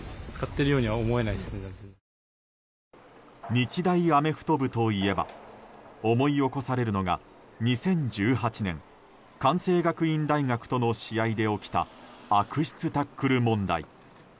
日大アメフト部といえば思い起こされるのが２０１８年、関西学院大学との試合で起きた悪質タックル問題。